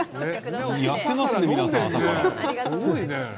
やっていますね、皆さん朝から。